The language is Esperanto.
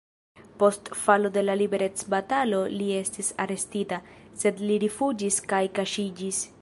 Post falo de la liberecbatalo li estis arestita, sed li rifuĝis kaj kaŝiĝis.